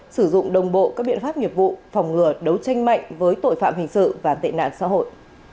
sử dụng đồng bộ các biện pháp nghiệp vụ phòng ngừa đấu tranh mạnh với tội phạm hình sự và tệ nạn xã hội